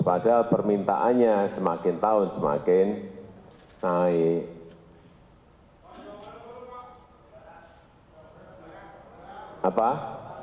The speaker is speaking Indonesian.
padahal permintaannya semakin tahun semakin naik